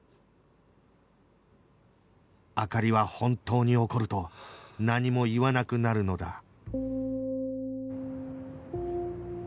灯は本当に怒ると何も言わなくなるのだ